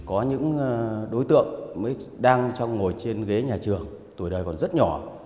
có những đối tượng mới đang ngồi trên ghế nhà trường tuổi đời còn rất nhỏ